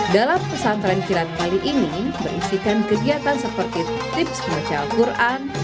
dalam pesantren kilat kali ini berisikan kegiatan seperti tips baca al quran